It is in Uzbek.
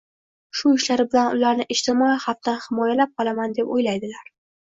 shu ishlari bilan ularni ijtimoiy xavfdan himoyalab qolaman deb o‘ylaydilar.